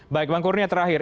baik bang kurnia terakhir